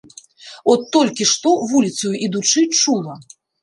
От толькі што, вуліцаю ідучы, чула.